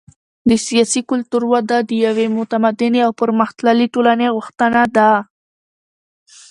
د سیاسي کلتور وده د یوې متمدنې او پرمختللې ټولنې غوښتنه ده.